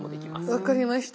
分かりました。